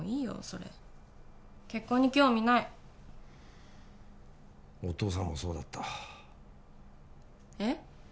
それ結婚に興味ないお父さんもそうだったえっ？